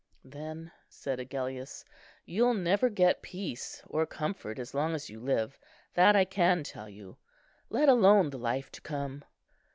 "Then," said Agellius, "you'll never get peace or comfort as long as you live, that I can tell you, let alone the life to come."